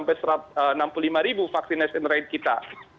padahal kalau kita melakukan vaksinasi kita akan menanggung vaksinasi